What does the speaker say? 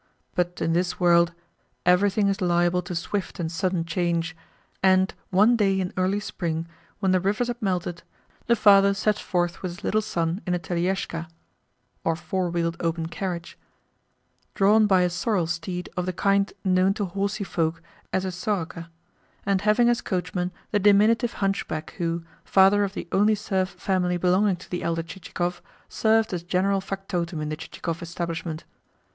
But in this world everything is liable to swift and sudden change; and, one day in early spring, when the rivers had melted, the father set forth with his little son in a teliezshka drawn by a sorrel steed of the kind known to horsy folk as a soroka, and having as coachman the diminutive hunchback who, father of the only serf family belonging to the elder Chichikov, served as general factotum in the Chichikov establishment.